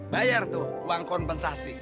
bayar tuh uang kompensasi